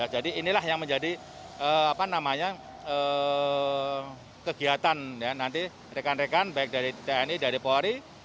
jadi inilah yang menjadi kegiatan nanti rekan rekan baik dari tni dari polri